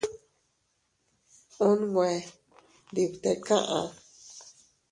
Unwe ndi bte kaʼa.